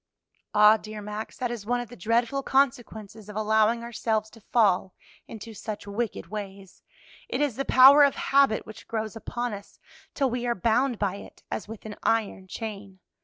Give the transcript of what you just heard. "Ah, dear Max, that is one of the dreadful consequences of allowing ourselves to fall into such wicked ways; it is the power of habit which grows upon us till we are bound by it as with an iron chain.